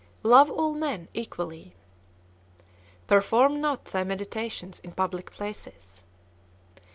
Love all men equally. Perform not thy meditations in public places.